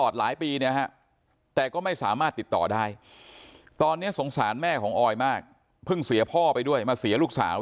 ดำเนินคดีให้ได้